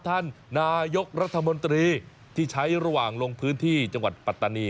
ท่านนายกรัฐมนตรีที่ใช้ระหว่างลงพื้นที่จังหวัดปัตตานี